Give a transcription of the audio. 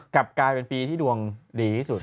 กลับกลายเป็นปีที่ดวงดีที่สุด